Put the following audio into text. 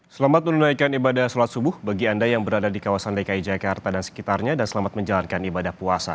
selamat menunaikan ibadah sholat subuh bagi anda yang berada di kawasan dki jakarta dan sekitarnya dan selamat menjalankan ibadah puasa